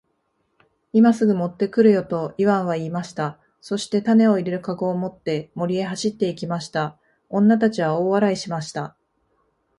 「今すぐ持って来るよ。」とイワンは言いました。そして種を入れる籠を持って森へ走って行きました。女たちは大笑いしました。